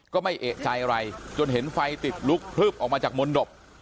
ก็ไม่เอกใจอะไรจนเห็นไฟติดลุกพลึบออกมาจากมนตบ